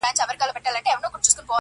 د ژوند پر هره لاره و بلا ته درېږم,